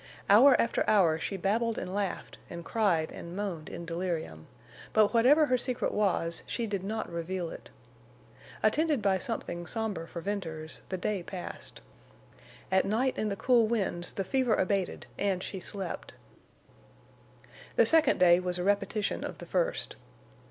Hour after hour she babbled and laughed and cried and moaned in delirium; but whatever her secret was she did not reveal it. Attended by something somber for Venters, the day passed. At night in the cool winds the fever abated and she slept. The second day was a repetition of the first.